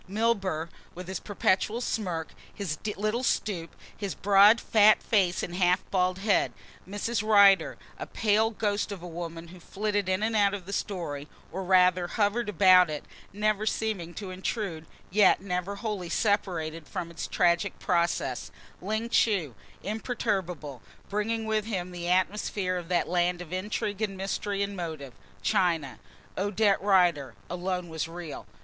Milburgh, with his perpetual smirk, his little stoop, his broad, fat face and half bald head; Mrs. Rider, a pale ghost of a woman who flitted in and out of the story, or rather hovered about it, never seeming to intrude, yet never wholly separated from its tragic process; Ling Chu, imperturbable, bringing with him the atmosphere of that land of intrigue and mystery and motive, China. Odette Rider alone was real.